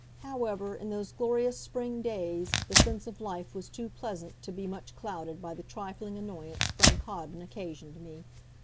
However, in those glorious spring days the sense of life was too pleasant to be much clouded by the trifling annoyance Frank Hawden occasioned me.